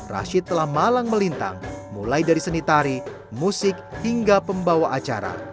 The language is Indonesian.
rashid telah malang melintang mulai dari seni tari musik hingga pembawa acara